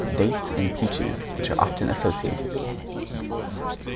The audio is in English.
Dates and Peaches, which are often associated).